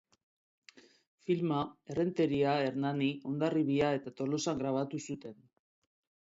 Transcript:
Filma Errenteria, Hernani, Hondarribia eta Tolosan grabatu zuten.